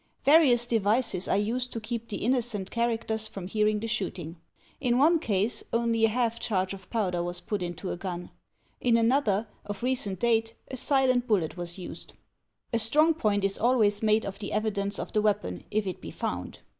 Various devices are used to keep the innocent characters from hearing the shooting. In one case only a half charge of powder was put into a gim. In another, of recent date, a silent bullet was used. A strong point is always made of the evidence of the weapon, if it be found.